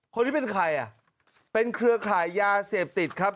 คนนี้เป็นใครอ่ะเป็นเครือข่ายยาเสพติดครับ